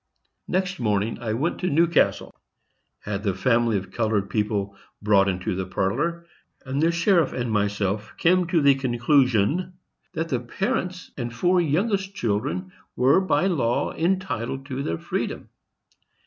Next morning I went to Newcastle: had the family of colored people brought into the parlor, and the sheriff and myself came to the conclusion that the parents and four youngest children were by law entitled to their freedom.